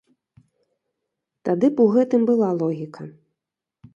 Тады б у гэтым была логіка.